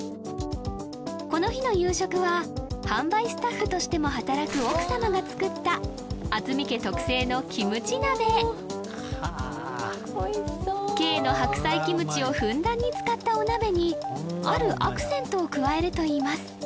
この日の夕食は販売スタッフとしても働く奥様が作った渥美家特製のキムチ鍋慶の白菜キムチをふんだんに使ったお鍋にあるアクセントを加えるといいます